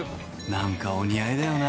何かお似合いだよな